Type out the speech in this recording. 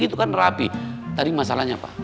itu kan rapi tadi masalahnya apa